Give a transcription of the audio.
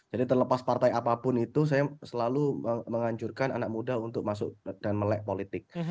jadi terlepas partai apapun itu saya selalu menganjurkan anak muda untuk masuk dan melek politik